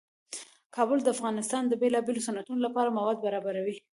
کابل د افغانستان د بیلابیلو صنعتونو لپاره مواد برابروي.